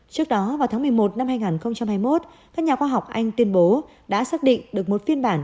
trước đó vào tháng một mươi một năm hai nghìn hai mươi một các nhà khoa học anh tuyên bố đã xác định được một phiên bản